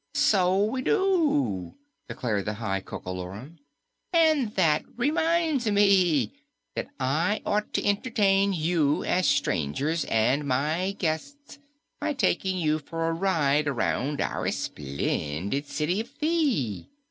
"So we do," declared the High Coco Lorum. "And that reminds me that I ought to entertain you as strangers and my guests by taking you for a ride around our splendid City of Thi."